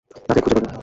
তাদের খুঁজে পাবে।